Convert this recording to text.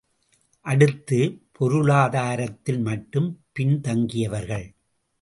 அடுத்து, பொருளாதாரத்தில் மட்டும் பின் தங்கியவர்கள்.